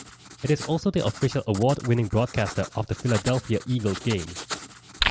It is also the official award-winning broadcaster of Philadelphia Eagles games.